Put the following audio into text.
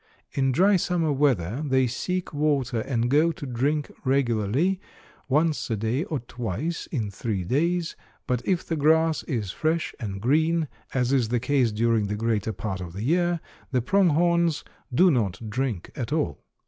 In dry summer weather they seek water and go to drink regularly once a day or twice in three days; but if the grass is fresh and green, as is the case during the greater part of the year, the Prong horns do not drink at all."